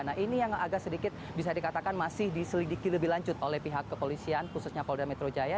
nah ini yang agak sedikit bisa dikatakan masih diselidiki lebih lanjut oleh pihak kepolisian khususnya polda metro jaya